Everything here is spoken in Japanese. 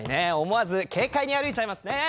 思わず軽快に歩いちゃいますね。